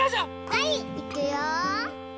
はいいくよ。